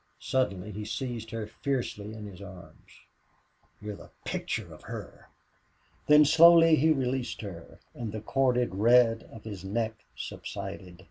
Suddenly he seized her fiercely in his arms. "You're the picture of HER!" Then slowly he released her and the corded red of his neck subsided.